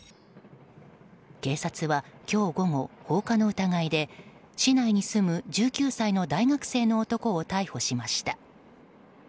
警察は今日午後、放火の疑いで市内に住む１９歳の大学生の男を逮捕しました。